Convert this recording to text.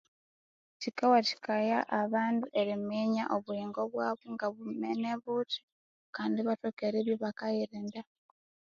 Kikawathikaya abandu eriminya obuyingo bwabu ngabwimene buthi kandi ibathoka eribya ibakayirinda